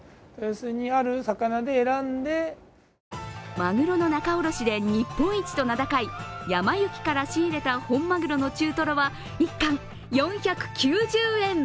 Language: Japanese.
まぐろの仲卸で日本一と名高いやま幸から仕入れた本マグロの中トロは１貫４９０円。